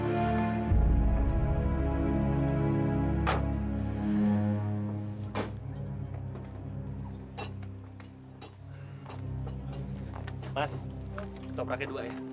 mas stop rakyat dulu aja